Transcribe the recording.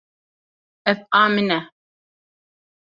Ev a min e.